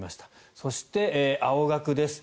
そして、青学です。